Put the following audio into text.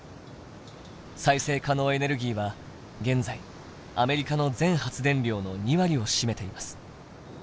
再生可能エネルギーは現在アメリカの全発電量の２割を占めています。